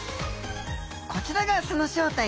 こちらがその正体。